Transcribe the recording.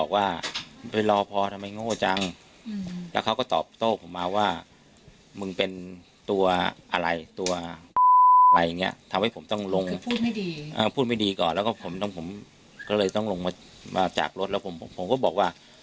ก็เลยต้องลงมาจากรถผมก็บอกว่า